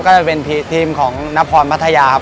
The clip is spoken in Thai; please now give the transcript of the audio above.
ก็จะเป็นทีมของนครพัทยาครับ